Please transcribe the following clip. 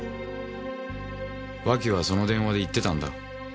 脇はその電話で言ってたんだ。